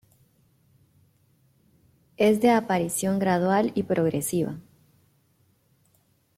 Es de aparición gradual y progresiva.